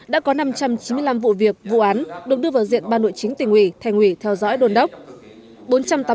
đã có năm trăm chín mươi năm vụ việc vụ án được đưa vào diện ban nội chính tỉnh ủy thành ủy theo dõi đồn đốc